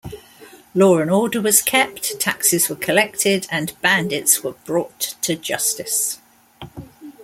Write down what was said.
Law and order was kept, taxes were collected and bandits were brought to justice.